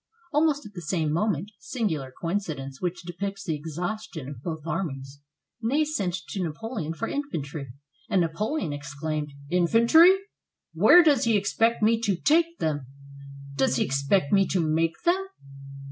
Almost at the same moment — singular coincidence, which depicts the exhaustion of both armies — Ney sent to Napoleon for infantry, and Napoleon exclaimed: "Infantry! where does he expect me to take them? Does he expect me to make them?"